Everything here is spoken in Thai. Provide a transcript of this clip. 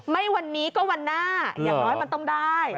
ไม่วันนี้ก็วันหน้าอย่างน้อยมันต้องได้